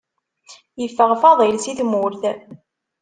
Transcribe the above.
Yeffeɣ Faḍil si tmurt.